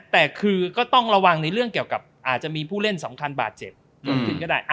แต่คือก็ต้องระวังในเรื่องเกี่ยวกับอาจจะมีผู้เล่นสำคัญบาดเจ็บรวมถึงก็ได้